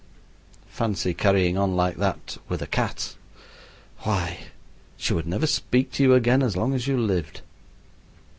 Fancy carrying on like that with a cat! Why, she would never speak to you again as long as you lived.